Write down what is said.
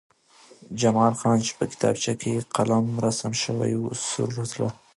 جمال خان چې په کتابچه کې په قلم رسم شوی سور زړه